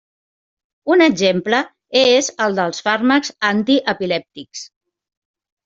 Un exemple és el dels fàrmacs antiepilèptics.